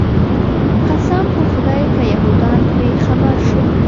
قسم په خدای که یهودان پرې خبر شول.